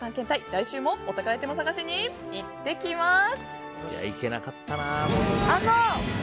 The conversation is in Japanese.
来週もお宝アイテムを探しに探検してきます！